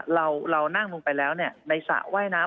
เรานั่งลงไปแล้วในสระว่ายน้ำ